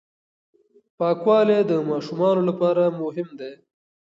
پاکوالی د ماشومانو لپاره مهم دی.